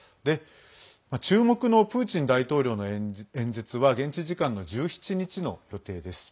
注目のプーチン大統領の演説は現地時間の１７日の予定です。